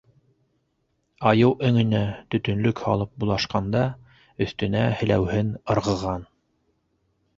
Айыу өңөнә төтөнлөк һалып булашҡанда, өҫтөнә һеләүһен ырғыған.